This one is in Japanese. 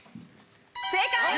正解！